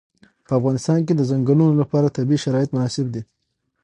په افغانستان کې د ځنګلونه لپاره طبیعي شرایط مناسب دي.